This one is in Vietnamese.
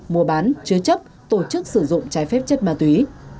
mua bán chứa chấp tổ chức sử dụng trái phép chất ma túy